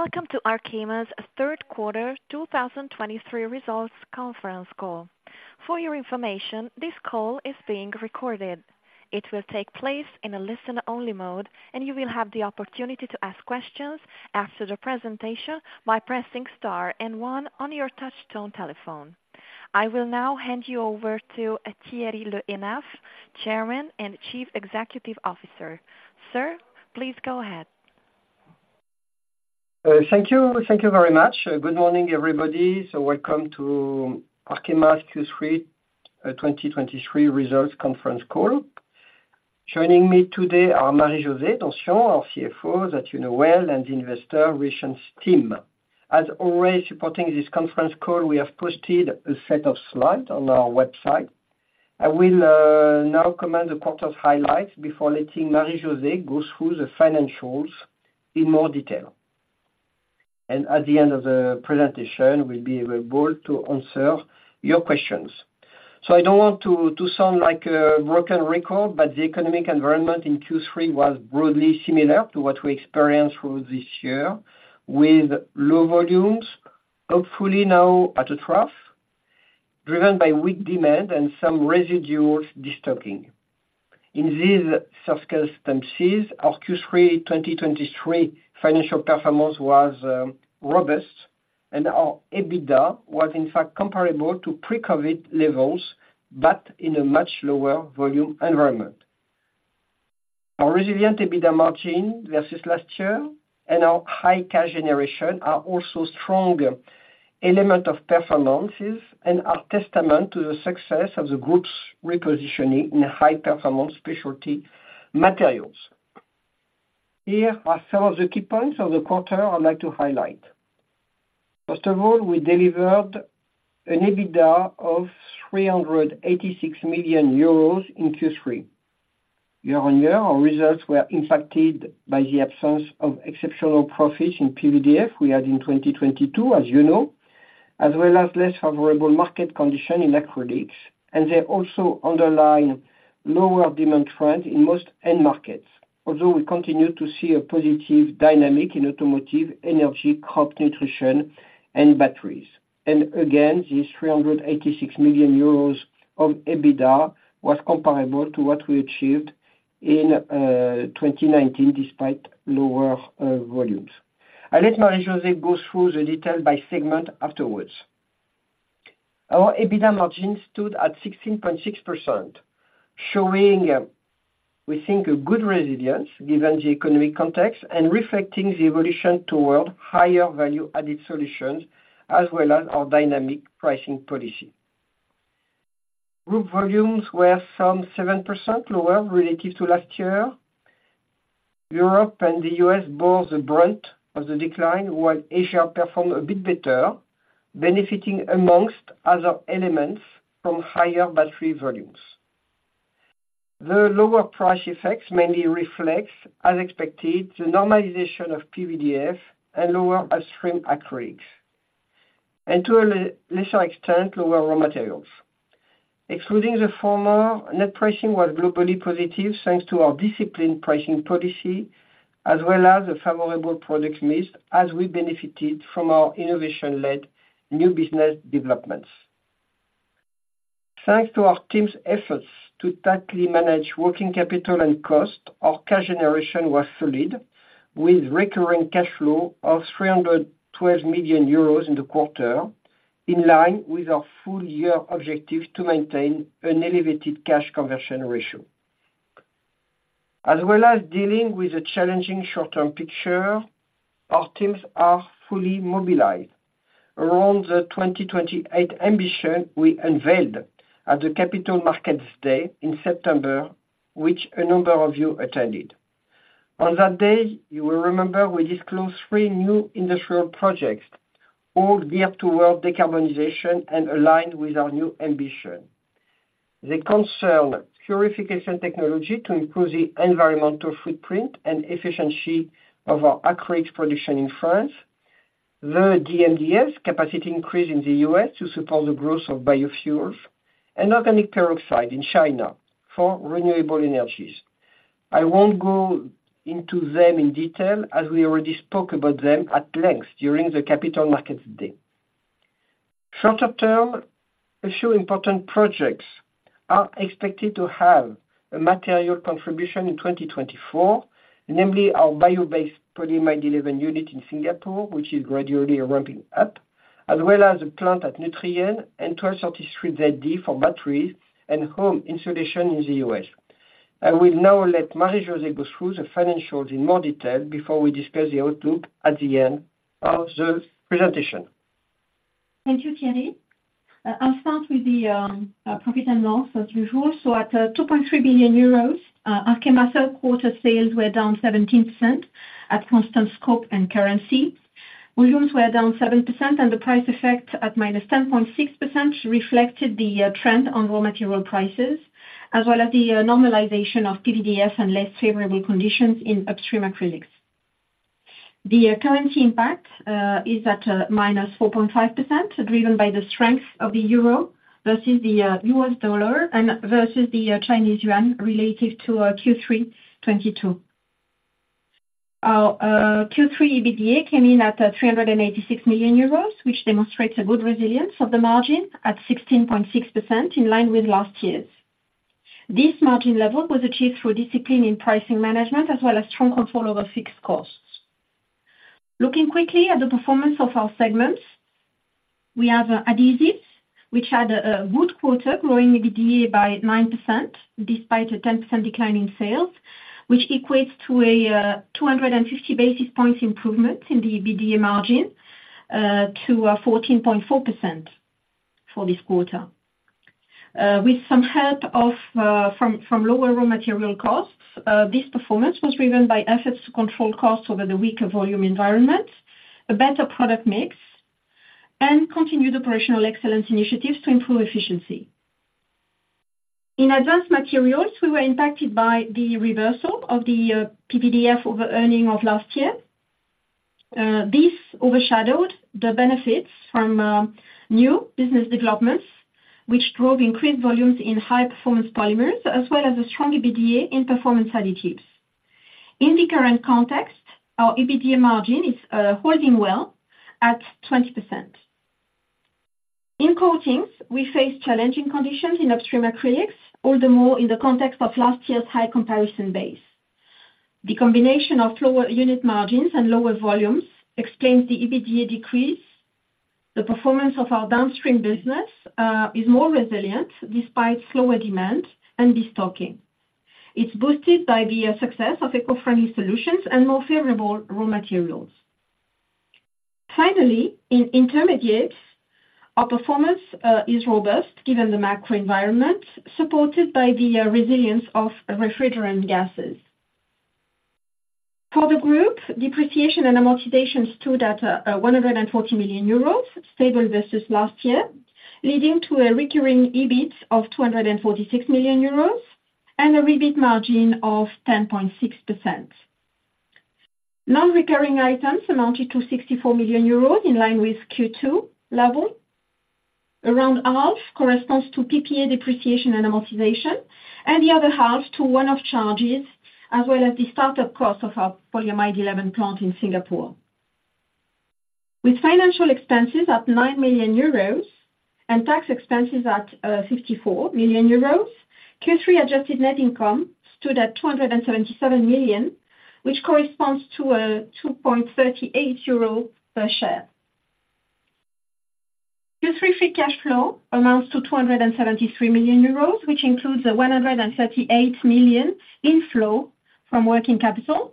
Welcome to Arkema's Q3 2023 results conference call. For your information, this call is being recorded. It will take place in a listen-only mode, and you will have the opportunity to ask questions after the presentation by pressing star and one on your touchtone telephone. I will now hand you over to Thierry Le Hénaff, Chairman and Chief Executive Officer. Sir, please go ahead. Thank you. Thank you very much. Good morning, everybody. So welcome to Arkema's Q3 2023 results conference call. Joining me today are Marie-José Donsion, our CFO, that you know well, and the investor relations team. As always, supporting this conference call, we have posted a set of slides on our website. I will now comment on a part of highlights before letting Marie-José go through the financials in more detail. At the end of the presentation, we'll be able to answer your questions. So I don't want to sound like a broken record, but the economic environment in Q3 was broadly similar to what we experienced through this year, with low volumes, hopefully now at a trough, driven by weak demand and some residual destocking. In these circumstances, our Q3 2023 financial performance was robust, and our EBITDA was, in fact, comparable to pre-COVID levels, but in a much lower volume environment. Our resilient EBITDA margin versus last year and our high cash generation are also strong element of performances and are testament to the success of the group's repositioning in high-performance specialty materials. Here are some of the key points of the quarter I'd like to highlight. First of all, we delivered an EBITDA of 386 million euros in Q3. Year-on-year, our results were impacted by the absence of exceptional profits in PVDF we had in 2022, as you know, as well as less favorable market condition in acrylics, and they also underline lower demand trend in most end markets. Although we continue to see a positive dynamic in automotive, energy, crop nutrition, and batteries. Again, these 386 million euros of EBITDA was comparable to what we achieved in 2019, despite lower volumes. I'll let Marie-José go through the detail by segment afterwards. Our EBITDA margin stood at 16.6%, showing, we think, a good resilience given the economic context and reflecting the evolution toward higher value-added solutions, as well as our dynamic pricing policy. Group volumes were some 7% lower relative to last year. Europe and the U.S. bore the brunt of the decline, while Asia performed a bit better, benefiting among other elements from higher battery volumes. The lower price effects mainly reflects, as expected, the normalization of PVDF and lower upstream acrylics, and to a lesser extent, lower raw materials. Excluding the former, net pricing was globally positive, thanks to our disciplined pricing policy, as well as a favorable product mix, as we benefited from our innovation-led new business developments. Thanks to our team's efforts to tightly manage working capital and cost, our cash generation was solid, with recurring cash flow of 312 million euros in the quarter, in line with our full year objective to maintain an elevated cash conversion ratio. As well as dealing with the challenging short-term picture, our teams are fully mobilized around the 2028 ambition we unveiled at the Capital Markets Day in September, which a number of you attended. On that day, you will remember we disclosed three new industrial projects, all geared towards decarbonization and aligned with our new ambition. They concern purification technology to improve the environmental footprint and efficiency of our acrylic production in France, the DMDS capacity increase in the U.S. to support the growth of biofuels, and organic peroxide in China for renewable energies. I won't go into them in detail, as we already spoke about them at length during the Capital Markets Day. Shorter term, a few important projects are expected to have a material contribution in 2024, namely our bio-based polyamide 11 unit in Singapore, which is gradually ramping up, as well as a plant at Nutrien and 1233zd for batteries and home insulation in the U.S. I will now let Marie-José go through the financials in more detail before we discuss the outlook at the end of the presentation. Thank you, Thierry. I'll start with the profit and loss, as usual. So at 2.3 billion euros, Arkema's Q3 sales were down 17% at constant scope and currency. Volumes were down 7%, and the price effect, at -10.6%, reflected the trend on raw material prices, as well as the normalization of PVDF and less favorable conditions in upstream acrylics. The currency impact is at -4.5%, driven by the strength of the euro versus the US dollar and versus the Chinese yuan relative to Q3 2022. Our Q3 EBITDA came in at 386 million euros, which demonstrates a good resilience of the margin at 16.6%, in line with last year's. This margin level was achieved through discipline in pricing management as well as strong control over fixed costs. Looking quickly at the performance of our segments, we have adhesives, which had a good quarter, growing EBITDA by 9% despite a 10% decline in sales, which equates to a 250 basis points improvement in the EBITDA margin to 14.4% for this quarter. With some help from lower raw material costs, this performance was driven by efforts to control costs over the weaker volume environment, a better product mix, and continued operational excellence initiatives to improve efficiency. In advanced materials, we were impacted by the reversal of the PVDF over-earning of last year. This overshadowed the benefits from new business developments, which drove increased volumes in high performance polymers, as well as a strong EBITDA in performance additives. In the current context, our EBITDA margin is holding well at 20%. In coatings, we face challenging conditions in upstream acrylics, all the more in the context of last year's high comparison base. The combination of lower unit margins and lower volumes explains the EBITDA decrease. The performance of our downstream business is more resilient despite slower demand and destocking. It's boosted by the success of eco-friendly solutions and more favorable raw materials. Finally, in intermediates, our performance is robust given the macro environment, supported by the resilience of refrigerant gases. For the group, depreciation and amortization stood at 140 million euros, stable versus last year, leading to a recurring EBIT of 246 million euros and a EBIT margin of 10.6%. Non-recurring items amounted to 64 million euros, in line with Q2 level. Around half corresponds to PPA depreciation and amortization, and the other half to one-off charges, as well as the start-up cost of our polyamide 11 plant in Singapore. With financial expenses at 9 million euros and tax expenses at 54 million euros, Q3 adjusted net income stood at 277 million, which corresponds to 2.38 euro per share. Q3 free cash flow amounts to 273 million euros, which includes a 138 million inflow from working capital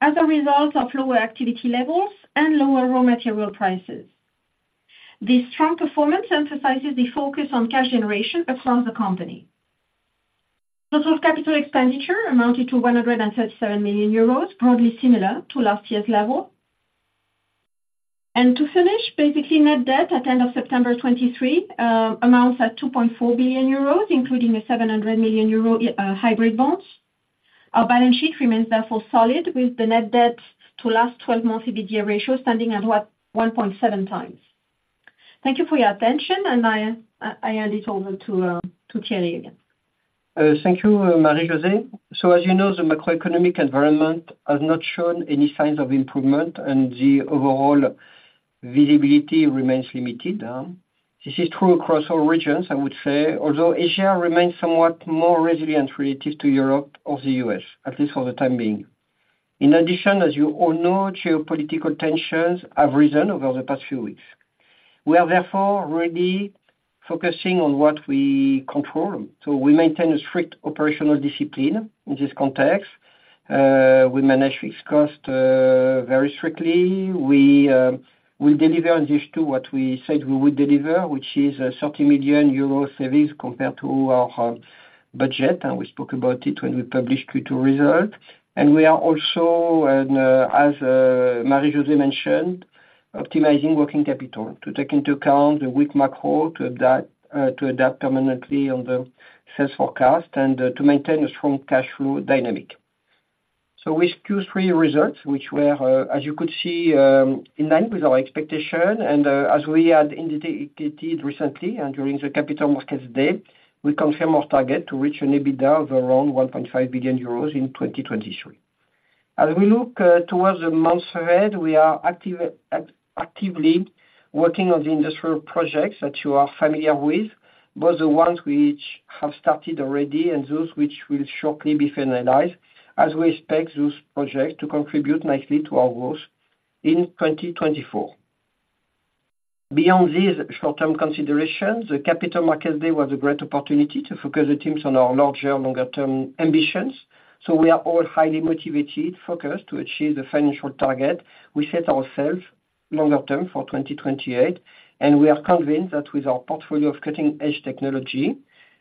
as a result of lower activity levels and lower raw material prices. This strong performance emphasizes the focus on cash generation across the company. Total capital expenditure amounted to 137 million euros, broadly similar to last year's level. To finish, basically, net debt at end of September 2023 amounts at 2.4 billion euros, including a 700 million euro hybrid bonds. Our balance sheet remains therefore solid, with the net debt to last twelve-month EBITDA ratio standing at 1.7 times. Thank you for your attention, and I hand it over to Thierry again. Thank you, Marie-José. So as you know, the macroeconomic environment has not shown any signs of improvement, and the overall visibility remains limited. This is true across all regions, I would say, although Asia remains somewhat more resilient relative to Europe or the U.S., at least for the time being. In addition, as you all know, geopolitical tensions have risen over the past few weeks. We are therefore really focusing on what we control. So we maintain a strict operational discipline in this context. We manage fixed cost very strictly. We will deliver on this to what we said we would deliver, which is a 30 million euro savings compared to our budget, and we spoke about it when we published Q2 result. We are also, as Marie-José mentioned, optimizing working capital to take into account the weak macro, to adapt to adapt permanently on the sales forecast, and to maintain a strong cash flow dynamic. So with Q3 results, which were, as you could see, in line with our expectation, and as we had indicated recently and during the Capital Markets Day, we confirm our target to reach an EBITDA of around 1.5 billion euros in 2023. As we look towards the months ahead, we are actively working on the industrial projects that you are familiar with, both the ones which have started already and those which will shortly be finalized, as we expect those projects to contribute nicely to our growth in 2024. Beyond these short-term considerations, the Capital Markets Day was a great opportunity to focus the teams on our larger, longer-term ambitions. So we are all highly motivated, focused to achieve the financial target we set ourselves longer term for 2028. We are convinced that with our portfolio of cutting-edge technology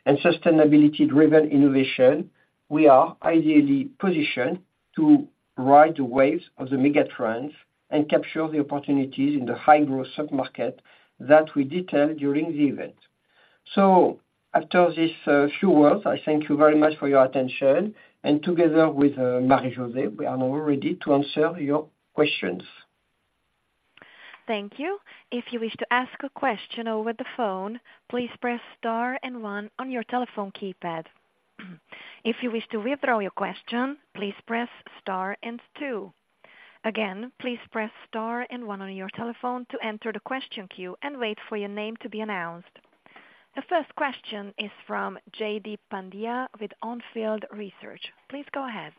and sustainability-driven innovation, we are ideally positioned to ride the waves of the mega trends and capture the opportunities in the high-growth sub-market that we detailed during the event. So after this few words, I thank you very much for your attention, and together with Marie-José, we are now ready to answer your questions. Thank you. If you wish to ask a question over the phone, please press star and one on your telephone keypad. If you wish to withdraw your question, please press star and two. Again, please press star and one on your telephone to enter the question queue and wait for your name to be announced. The first question is from Jaideep Pandya with On Field Research. Please go ahead.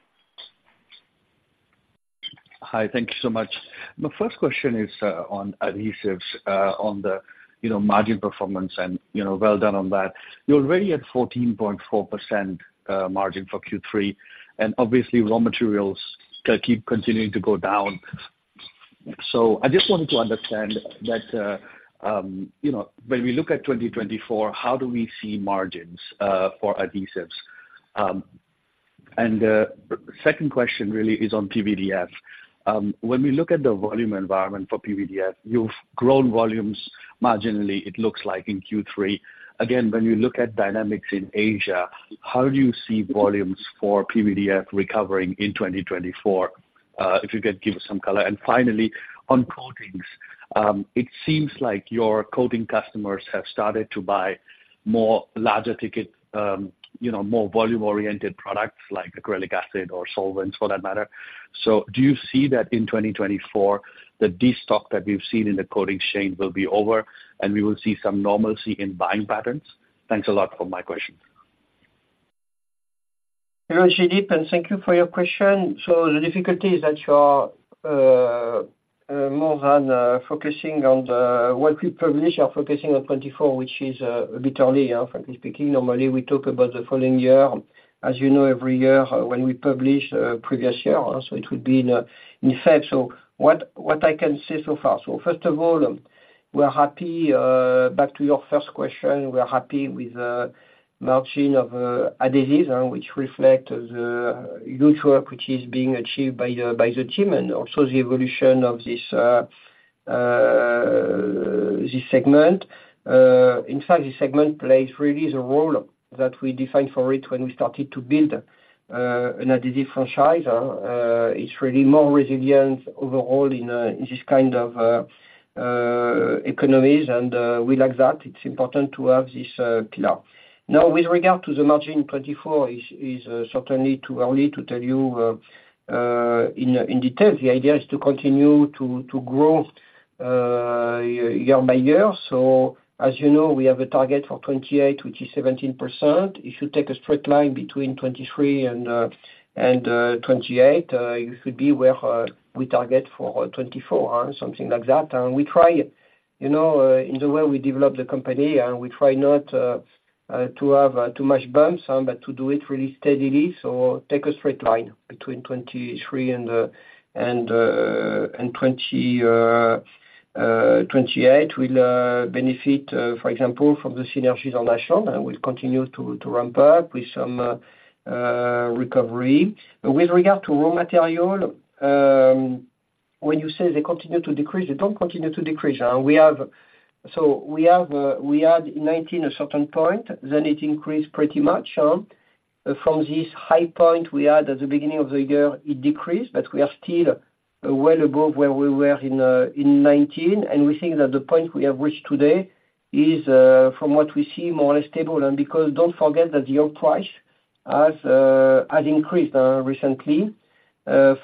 Hi, thank you so much. My first question is on adhesives, on the, you know, margin performance, and, you know, well done on that. You're already at 14.4% margin for Q3, and obviously raw materials keep continuing to go down. So I just wanted to understand that, you know, when we look at 2024, how do we see margins for adhesives? Second question really is on PVDF. When we look at the volume environment for PVDF, you've grown volumes marginally, it looks like in Q3. Again, when you look at dynamics in Asia, how do you see volumes for PVDF recovering in 2024? If you could give us some color. Finally, on coatings, it seems like your coating customers have started to buy more larger ticket, you know, more volume-oriented products like acrylic acid or solvents for that matter. So do you see that in 2024, the destock that we've seen in the coatings chain will be over, and we will see some normalcy in buying patterns? Thanks a lot for my questions. Hello, Jaideep, and thank you for your question. So the difficulty is that you are more than focusing on the what we publish, you're focusing on 2024, which is a bit early, yeah, frankly speaking, normally we talk about the following year. As you know, every year when we publish previous year, so it will be in effect. So what I can say so far. So first of all, we're happy, back to your first question, we're happy with the margin of adhesives, which reflect the huge work which is being achieved by the team, and also the evolution of this this segment. In fact, this segment plays really the role that we defined for it when we started to build an adhesive franchise. It's really more resilient overall in this kind of economies, and we like that. It's important to have this pillar. Now, with regard to the margin, 2024 is certainly too early to tell you in detail. The idea is to continue to grow year by year. So, as you know, we have a target for 2028, which is 17%. It should take a straight line between 2023 and 2028, you should be where we target for 2024, or something like that. We try, you know, in the way we develop the company, and we try not to have too much bumps, but to do it really steadily. So take a straight line between 2023 and 2028. We'll benefit, for example, from the synergies on Ashland, and we'll continue to ramp up with some recovery. With regard to raw material, when you say they continue to decrease, they don't continue to decrease. So we have, we had in 2019 a certain point, then it increased pretty much. From this high point we had at the beginning of the year, it decreased, but we are still well above where we were in 2019, and we think that the point we have reached today is, from what we see, more or less stable. And because, don't forget that the oil price has increased recently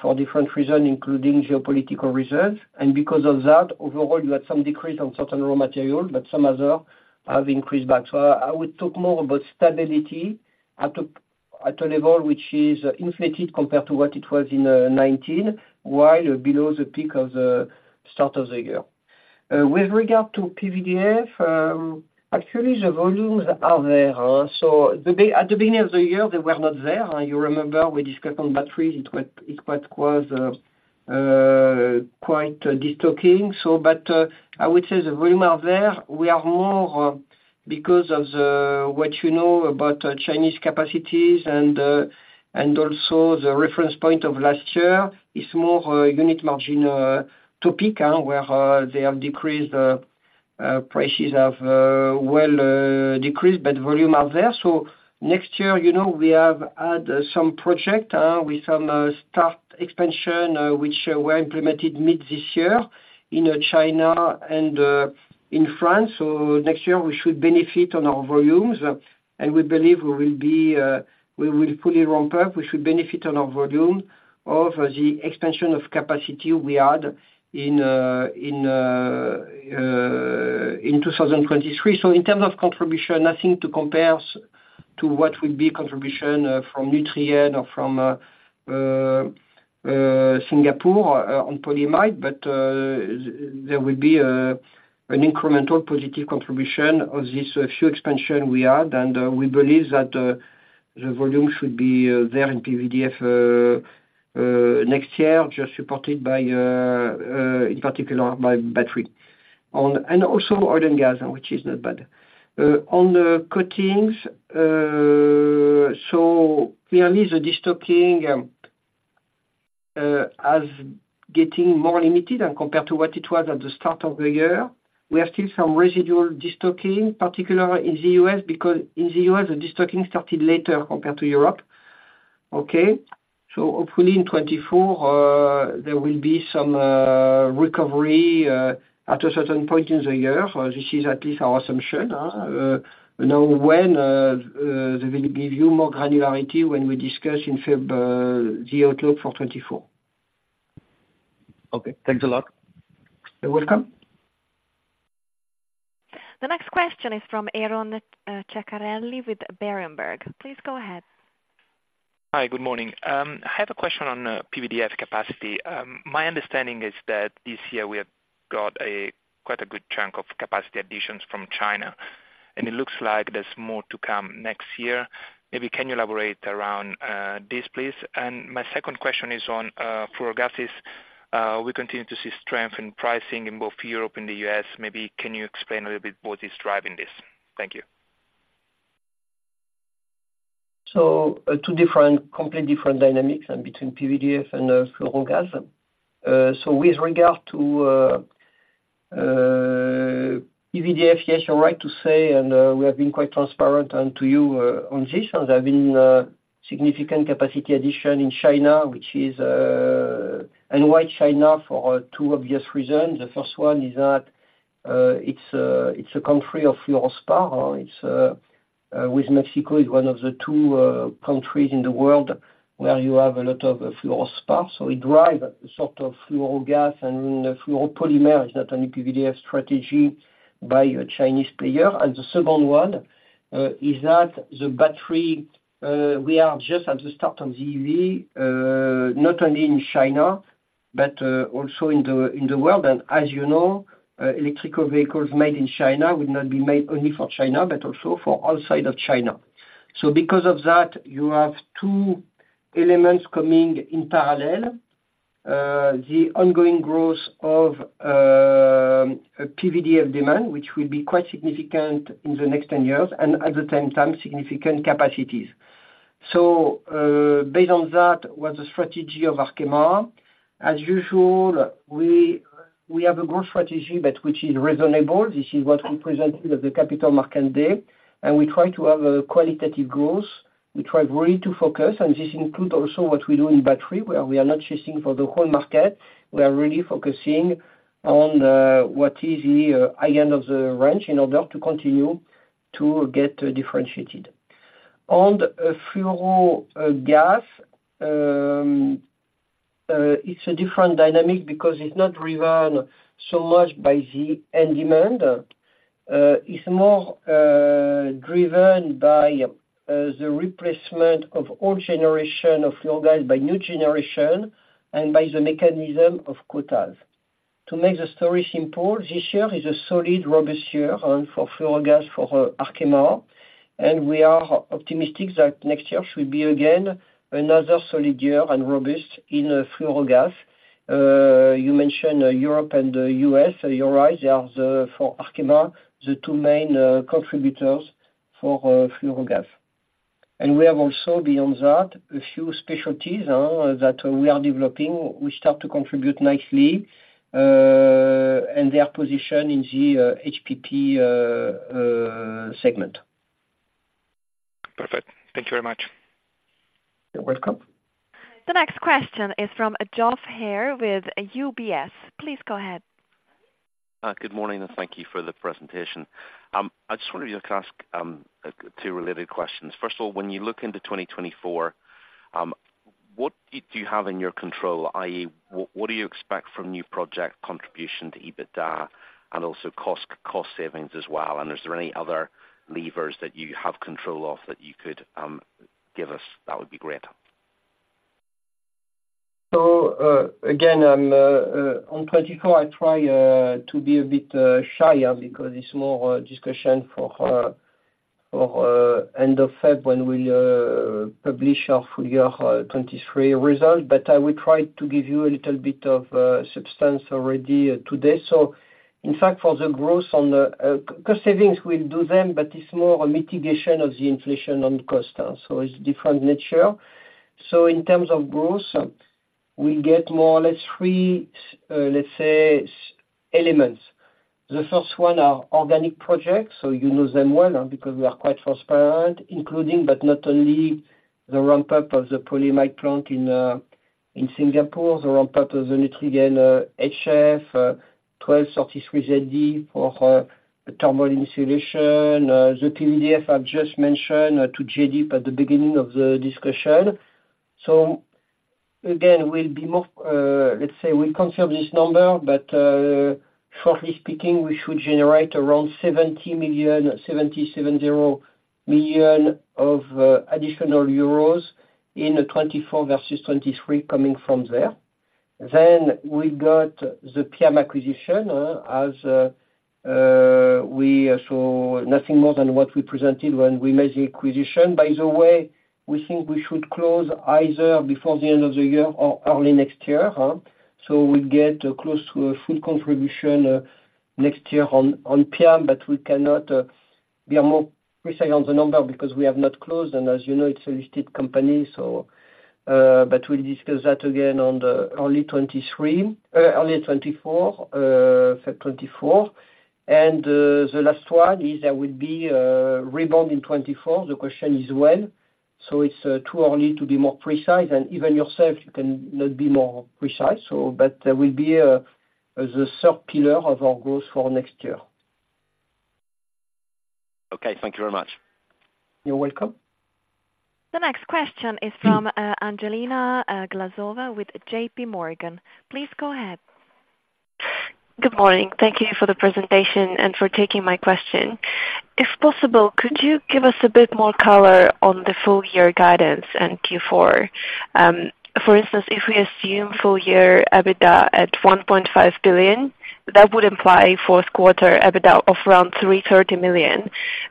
for different reasons, including geopolitical reasons. And because of that, overall, you had some decrease on certain raw material, but some other have increased back. So I would talk more about stability at a level which is inflated compared to what it was in 2019, while below the peak of the start of the year. With regard to PVDF, actually, the volumes are there. So at the beginning of the year, they were not there. You remember we discussed on batteries, it was quite destocking. So but, I would say the volume are there. We are more because of the, what you know about Chinese capacities and also the reference point of last year, is more unit margin topic, where they have decreased, prices have well decreased, but volume are there. So next year, you know, we have had some project with some start expansion, which were implemented mid this year in China and in France. So next year we should benefit on our volumes, and we believe we will fully ramp up. We should benefit on our volume of the expansion of capacity we had in 2023. So in terms of contribution, nothing to compare to what will be contribution from Nutrien or from Singapore on polyamide. But there will be an incremental positive contribution of this few expansion we had, and we believe that the volume should be there in PVDF next year, just supported by in particular by battery, and also oil and gas, which is not bad. On the coatings, so clearly the destocking as getting more limited than compared to what it was at the start of the year. We are still some residual destocking, particularly in the U.S., because in the U.S., the destocking started later compared to Europe. Okay, so hopefully in 2024, there will be some recovery at a certain point in the year. This is at least our assumption now, when we will give you more granularity when we discuss in February the outlook for 2024. Okay, thanks a lot. You're welcome. The next question is from Aron Ceccarelli with Berenberg. Please go ahead. Hi, good morning. I have a question on PVDF capacity. My understanding is that this year we have got a quite good chunk of capacity additions from China, and it looks like there's more to come next year. Maybe can you elaborate around this, please? My second question is on fluorogases. We continue to see strength in pricing in both Europe and the US. Maybe can you explain a little bit what is driving this? Thank you. So, two different, complete different dynamics and between PVDF and fluorogases. So with regard to PVDF, yes, you're right to say, and we have been quite transparent and to you on this, there have been significant capacity addition in China, which is... And why China? For two obvious reasons. The first one is that it's a country of fluorspar. It's with Mexico, is one of the two countries in the world where you have a lot of fluorospar. So it drive sort of fluorogas and fluoropolymer, is not only PVDF strategy by a Chinese player. And the second one is that the battery we are just at the start of EV not only in China, but also in the world. And as you know, electric vehicles made in China would not be made only for China, but also for outside of China. So because of that, you have two elements coming in parallel. The ongoing growth of PVDF demand, which will be quite significant in the next 10 years, and at the same time, significant capacities. So, based on that, what's the strategy of Arkema? As usual, we have a growth strategy, but which is reasonable. This is what we presented at the Capital Markets Day, and we try to have a qualitative growth. We try really to focus, and this include also what we do in battery, where we are not chasing for the whole market. We are really focusing on, what is the, high end of the range in order to continue to get differentiated. On the fluorogas, it's a different dynamic because it's not driven so much by the end demand. It's more driven by the replacement of old generation of fluorogas by new generation and by the mechanism of quotas. To make the story simple, this year is a solid, robust year for fluorogas, for Arkema, and we are optimistic that next year should be again, another solid year and robust in the fluorogas. You mentioned Europe and the U.S. You're right, they are the, for Arkema, the two main contributors for fluorogas. We have also, beyond that, a few specialties that we are developing. We start to contribute nicely, and their position in the HPP segment. Perfect. Thank you very much. You're welcome. The next question is from Geoff Haire with UBS. Please go ahead. Good morning, and thank you for the presentation. I just wanted to just ask two related questions. First of all, when you look into 2024, what do you have in your control? That is, what do you expect from new project contribution to EBITDA, and also cost savings as well? Is there any other levers that you have control of that you could give us? That would be great. So, again, in practice, I try to be a bit shyer because it's more a discussion for end of February, when we'll publish our full-year 2023 results. But I will try to give you a little bit of substance already today. So in fact, for the growth on the cost savings, we'll do them, but it's more a mitigation of the inflation on costs. So it's different nature. In terms of growth, we get more or less three, let's say, elements. The first one are organic projects, so you know them well, because we are quite transparent, including, but not only, the ramp up of the polyamide plant in Singapore, the ramp up of the HFO-1233zd for thermal insulation, the PVDF I've just mentioned to Jaideep at the beginning of the discussion. So again, we'll be more, let's say we confirm this number, but, shortly speaking, we should generate around 70 million-77 million of additional euros in 2024 versus 2023 coming from there. Then we got the PI acquisition, as we saw nothing more than what we presented when we made the acquisition. By the way, we think we should close either before the end of the year or early next year. So we get close to a full contribution next year on PI, but we cannot be more precise on the number because we have not closed, and as you know, it's a listed company. We'll discuss that again on the early 2024, February 2024. The last one is there will be a rebound in 2024. The question is when. It's too early to be more precise, and even yourself, you cannot be more precise. So, but that will be the third pillar of our goals for next year. Okay, thank you very much. You're welcome. The next question is from Angelina Glazova with JPMorgan. Please go ahead. Good morning. Thank you for the presentation and for taking my question. If possible, could you give us a bit more color on the full-year guidance and Q4? For instance, if we assume full-year EBITDA at 1.5 billion, that would imply Q4 EBITDA of around 330 million.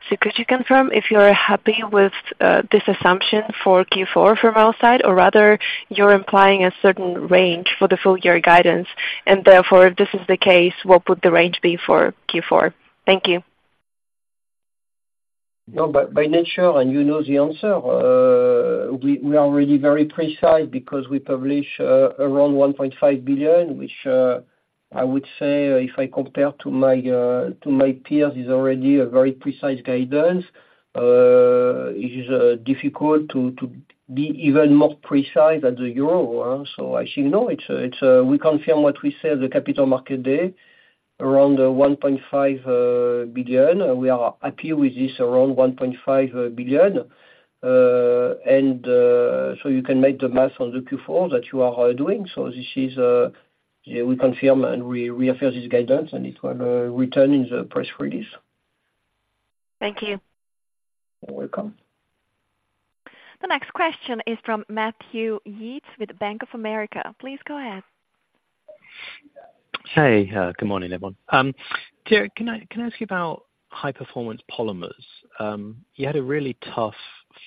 So could you confirm if you're happy with this assumption for Q4 from our side, or rather, you're implying a certain range for the full-year guidance, and therefore, if this is the case, what would the range be for Q4? Thank you. No, by nature, and you know the answer, we are really very precise because we publish around 1.5 billion, which I would say if I compare to my peers is already a very precise guidance. It is difficult to be even more precise than the euro, so I say no, we confirm what we said at the Capital Markets Day, around 1.5 billion. We are happy with this around 1.5 billion. So you can make the math on the Q4 that you are doing. So this is, yeah, we confirm and reaffirm this guidance, and it will return in the press release. Thank you. You're welcome. The next question is from Matthew Yates with Bank of America. Please go ahead. Hey, good morning, everyone. Thierry, can I ask you about high-performance polymers? You had a really tough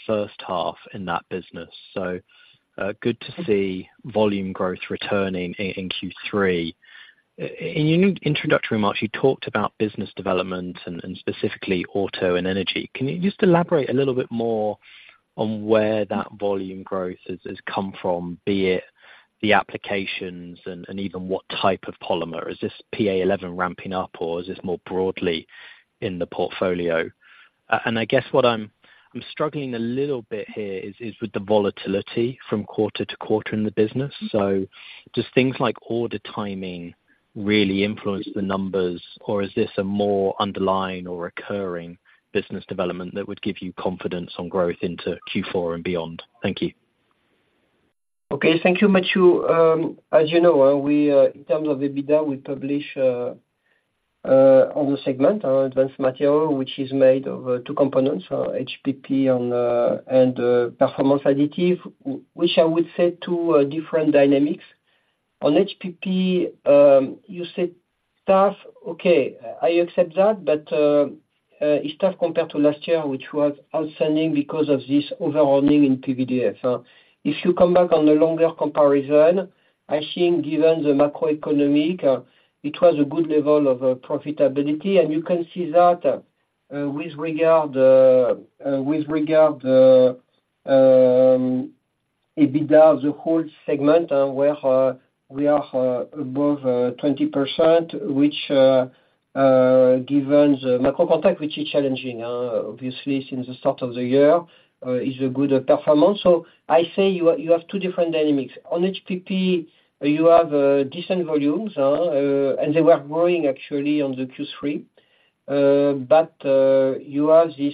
first half in that business, so, good to see volume growth returning in Q3. In your introductory remarks, you talked about business development and specifically auto and energy. Can you just elaborate a little bit more on where that volume growth has come from, be it the applications and even what type of polymer? Is this PA11 ramping up, or is this more broadly in the portfolio? And I guess I'm struggling a little bit here is with the volatility from quarter-to-quarter in the business. So does things like order timing really influence the numbers, or is this a more underlying or recurring business development that would give you confidence on growth into Q4 and beyond? Thank you. Okay. Thank you, Matthew. As you know, in terms of EBITDA, we publish on the segment, on Advanced Materials, which is made of two components, HPP and performance additive, which I would say two different dynamics. On HPP, you said tough. Okay, I accept that, but it's tough compared to last year, which was outstanding because of this over-earning in PVDF. If you come back on the longer comparison, I think given the macroeconomic, it was a good level of profitability, and you can see that with regard EBITDA, the whole segment, where we are above 20%, which given the macro context, which is challenging, obviously since the start of the year, is a good performance. So I say you have two different dynamics. On HPP, you have decent volumes, and they were growing actually on the Q3. But you have this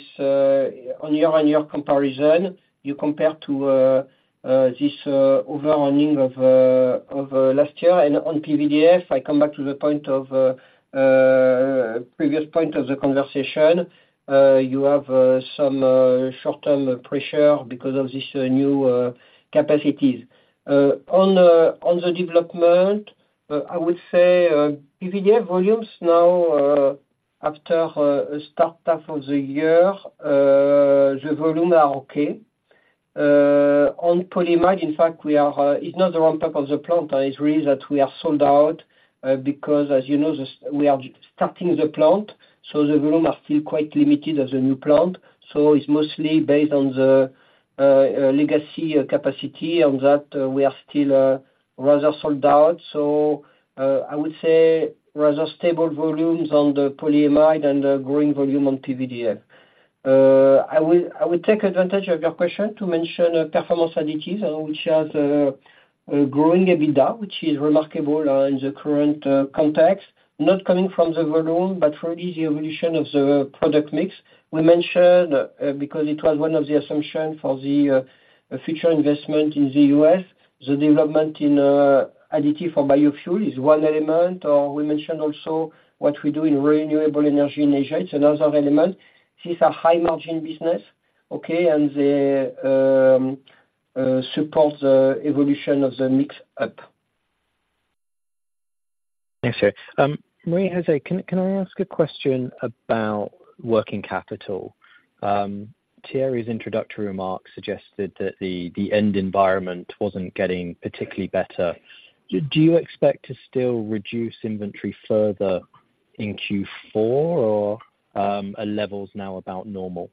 on year-on-year comparison, you compare to this over-earning of last year. On PVDF, I come back to the point of previous point of the conversation. You have some short-term pressure because of this new capacities. On the development, I would say PVDF volumes now after a start half of the year, the volume are okay. On polyamide, in fact, it's not the ramp up of the plant, it's really that we are sold out, because, as you know, we are starting the plant, so the volume are still quite limited as a new plant. It's mostly based on the legacy capacity, on that we are still rather sold out. I would say rather stable volumes on the polyamide and a growing volume on PVDF. I will take advantage of your question to mention performance additives, which has a growing EBITDA, which is remarkable in the current context, not coming from the volume, but from the evolution of the product mix. We mentioned, because it was one of the assumption for the, future investment in the U.S., the development in, additive for biofuel is one element, or we mentioned also what we do in renewable energy in Asia, it's another element. This is a high margin business, okay? And supports the evolution of the mix up. Thanks, sir. Marie-José, can I ask a question about working capital? Thierry's introductory remarks suggested that the end environment wasn't getting particularly better. Do you expect to still reduce inventory further in Q4 or are levels now about normal?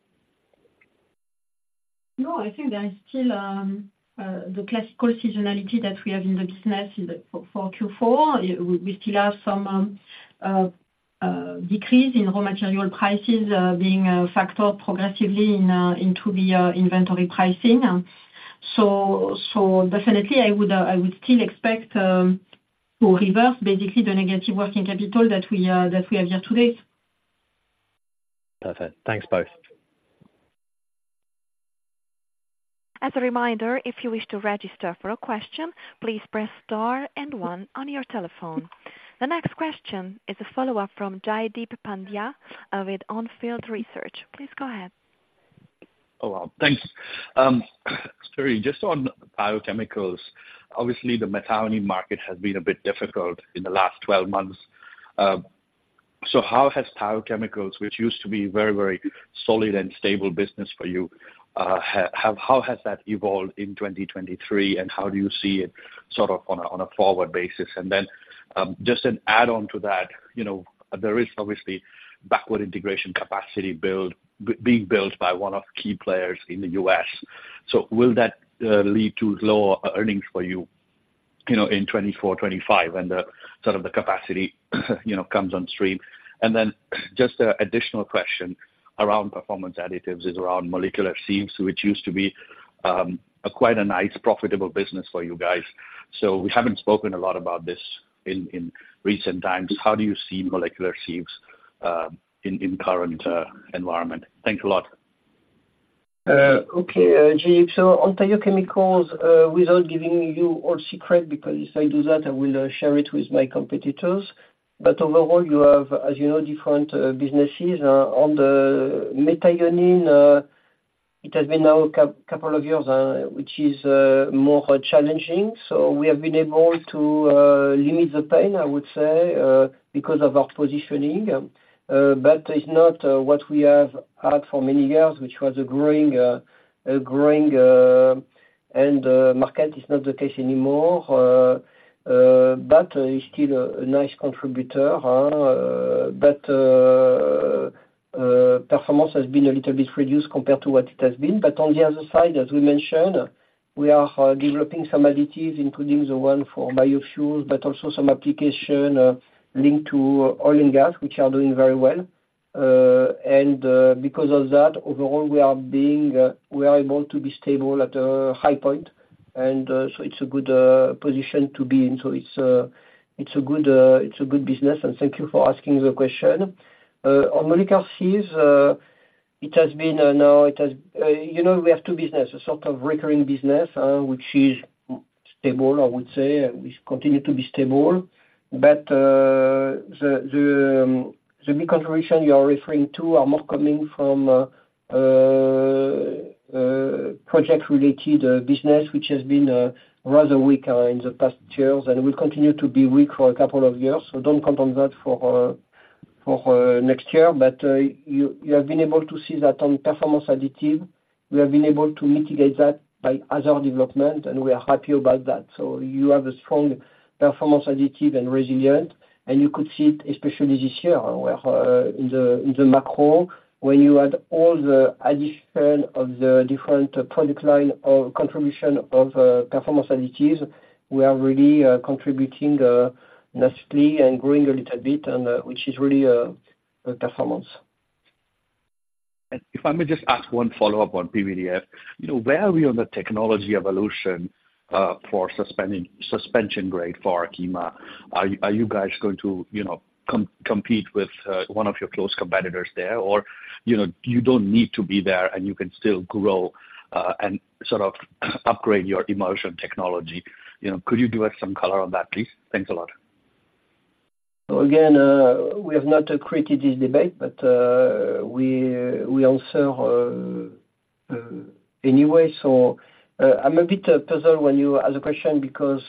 No, I think there is still the classical seasonality that we have in the business for Q4. We still have some decrease in raw material prices being factored progressively into the inventory pricing. So definitely I would still expect to reverse basically the negative working capital that we have here today. Perfect. Thanks both. As a reminder, if you wish to register for a question, please press star and one on your telephone. The next question is a follow-up from Jaideep Pandya with On Field Research. Please go ahead. Oh, well, thanks. Thierry, just on biochemicals, obviously the methionine market has been a bit difficult in the last 12 months. So how has biochemicals, which used to be very, very solid and stable business for you, how has that evolved in 2023, and how do you see it sort of on a forward basis? And then, just an add-on to that, you know, there is obviously backward integration capacity build, being built by one of key players in the U.S. So will that lead to lower earnings for you, you know, in 2024, 2025, when the sort of the capacity, you know, comes on stream? And then just a additional question around performance additives, is around molecular sieves, which used to be quite a nice, profitable business for you guys. We haven't spoken a lot about this in recent times. How do you see molecular sieves in current environment? Thanks a lot. Okay, Jaideep. So on biochemicals, without giving you all secret, because if I do that, I will share it with my competitors. But overall, you have, as you know, different businesses. On the methionine, it has been now a couple of years, which is more challenging. So we have been able to limit the pain, I would say, because of our positioning. It's not what we have had for many years, which was a growing, a growing... and market is not the case anymore. But it's still a nice contributor, but performance has been a little bit reduced compared to what it has been. But on the other side, as we mentioned, we are developing some additives, including the one for biofuels, but also some application linked to oil and gas, which are doing very well. And because of that, overall, we are able to be stable at a high point, so it's a good position to be in. So it's a good business, and thank you for asking the question. On molecular sieves, it has been now... you know, we have two business, a sort of recurring business, which is stable, I would say, and continues to be stable. But, the big contribution you are referring to are more coming from project-related business, which has been rather weak in the past years, and it will continue to be weak for a couple of years. So don't count on that for next year. But, you have been able to see that on performance additive. We have been able to mitigate that by other development, and we are happy about that. So you have a strong performance additive and resilient, and you could see it especially this year, where, in the macro, when you add all the addition of the different product line or contribution of performance additives, we are really contributing nicely and growing a little bit, which is really a good performance. If I may just ask one follow-up on PVDF. You know, where are we on the technology evolution for suspension grade for Arkema? Are you guys going to, you know, compete with one of your close competitors there? Or, you know, you don't need to be there, and you can still grow and sort of upgrade your immersion technology. You know, could you do us some color on that, please? Thanks a lot. So again, we have not created this debate, but we'll answer anyway. So, I'm a bit puzzled when you ask the question, because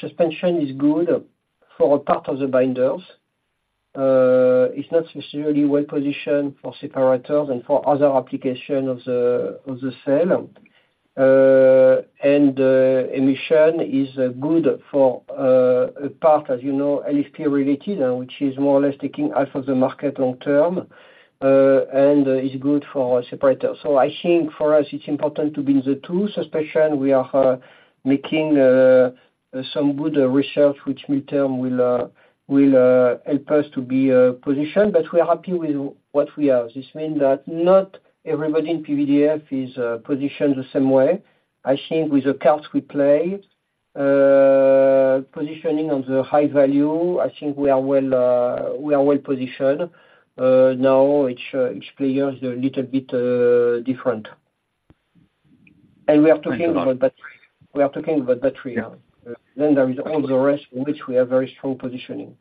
suspension is good for a part of the binders. It's not necessarily well positioned for separators and for other applications of the cell. Emulsion is good for a part, as you know, LFP related, and which is more or less taking half of the market long term, and is good for separators. So I think for us, it's important to build the two suspension. We are making some good research, which midterm will help us to be positioned, but we are happy with what we have. This mean that not everybody in PVDF is positioned the same way. I think with the cards we play, positioning on the high value, I think we are well, we are well positioned. Now each, each player is a little bit, different. Thank you a lot. We are talking about, but we are talking about battery. Yeah. Then there is all the rest, in which we have a very strong positioning.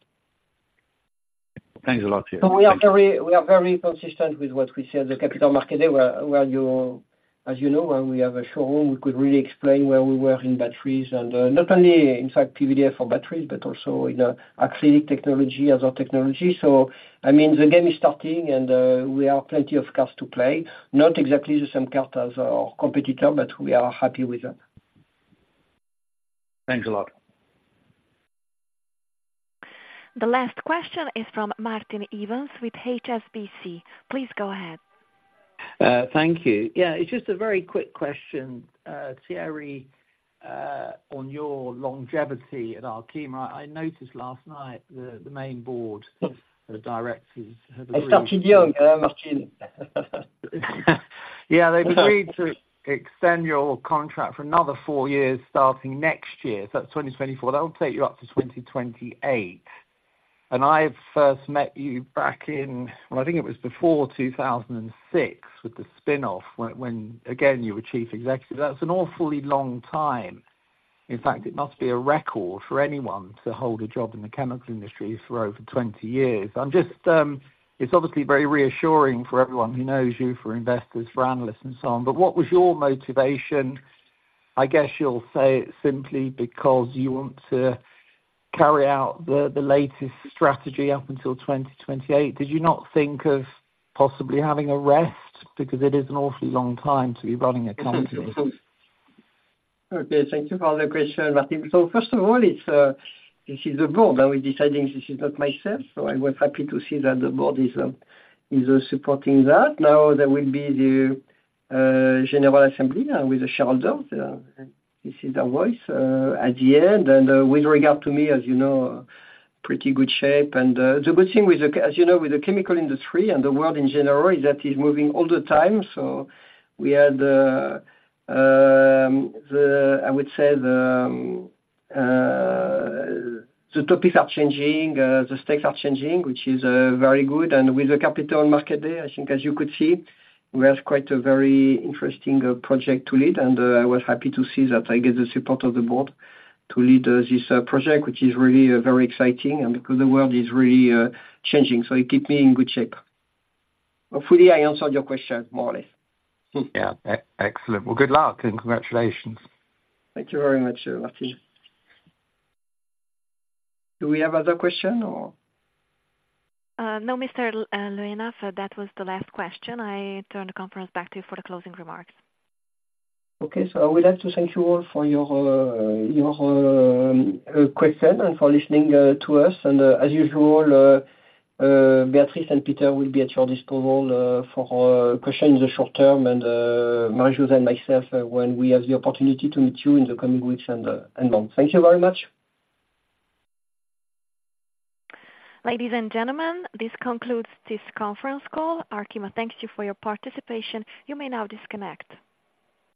Thanks a lot to you. So we are very, we are very consistent with what we said, the Capital Markets Day, where, as you know, where we have a showroom, we could really explain where we were in batteries. Not only in fact PVDF for batteries, but also in a acrylic technology and other technology. So, I mean, the game is starting, and we have plenty of cards to play. Not exactly the same cards as our competitor, but we are happy with that. Thanks a lot. The last question is from Martin Evans with HSBC. Please go ahead. Thank you. Yeah, it's just a very quick question. Thierry, on your longevity at Arkema, I noticed last night the main board of directors had- I started young, Martin. Yeah, they've agreed to extend your contract for another four years, starting next year. So that's 2024, that'll take you up to 2028. And I first met you back in, well, I think it was before 2006, with the spinoff, when again, you were Chief Executive Officer. That's an awfully long time. In fact, it must be a record for anyone to hold a job in the chemical industry for over 20 years. I'm just, it's obviously very reassuring for everyone who knows you, for investors, for analysts, and so on. But what was your motivation? I guess you'll say simply because you want to carry out the latest strategy up until 2028. Did you not think of possibly having a rest? Because it is an awfully long time to be running a company. Okay, thank you for the question, Martin. So first of all, this is the board, and we're deciding this is not myself, so I was happy to see that the board is supporting that. Now, there will be the general assembly with the shareholders, this is the voice at the end. With regard to me, as you know, pretty good shape. The good thing with the—as you know, with the chemical industry and the world in general, is that it's moving all the time. So we had, I would say the topics are changing, the stakes are changing, which is very good. With the Capital Markets Day, I think as you could see, we have quite a very interesting project to lead. I was happy to see that I get the support of the board to lead this project, which is really very exciting, and because the world is really changing, so it keep me in good shape. Hopefully, I answered your question more or less. Yeah. Excellent. Well, good luck and congratulations. Thank you very much, Martin. Do we have other question or? No, Mr. Le Hénaff, so that was the last question. I turn the conference back to you for the closing remarks. Okay. So I would like to thank you all for your question and for listening to us. As usual, Beatrice and Peter will be at your disposal for questions in the short term, and Marie-José and myself, when we have the opportunity to meet you in the coming weeks and months. Thank you very much. Ladies and gentlemen, this concludes this conference call. Arkema thanks you for your participation. You may now disconnect.